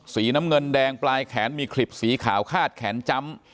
สีน้ำเงินแดงปลายแขนมีคลิบสีขาวคาดแขนจำ